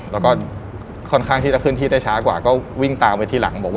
แล้วก็ค่อนข้างที่จะเคลื่อนที่ได้ช้ากว่าก็วิ่งตามไปที่หลังบอกว่า